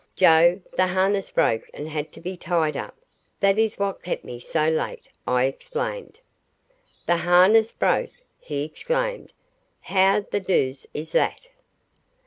"Joe, the harness broke and had to be tied up. That is what kept me so late," I explained. "The harness broke!" he exclaimed. "How the doose is that!